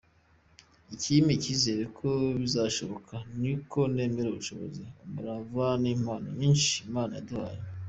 Ikimpa icyizere ko bizashoboka, ni uko nemera ubushobozi, umurava n’impano nyinshi Imana yaduhaye.